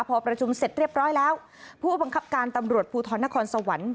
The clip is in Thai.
พอประชุมเสร็จเรียบร้อยแล้วผู้บังคับการตำรวจภูทรนครสวรรค์